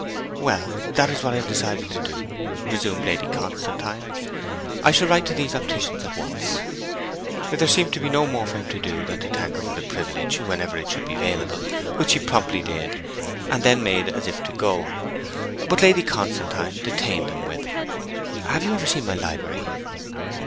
'Well, that's what I have decided to do,' resumed Lady Constantine. 'I will write to these opticians at once.' There seemed to be no more for him to do than to thank her for the privilege, whenever it should be available, which he promptly did, and then made as if to go. But Lady Constantine detained him with, 'Have you ever seen my library?'